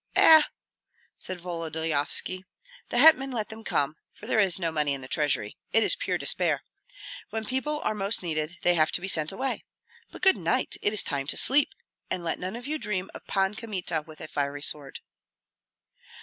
"Eh!" said Volodyovski, "the hetman let them come, for there is no money in the treasury. It is pure despair! When people are most needed they have to be sent away. But good night! it is time to sleep, and let none of you dream of Pan Kmita with a fiery sword."